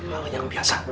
hal yang biasa